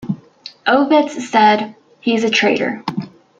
Ovitz said: He's a trader.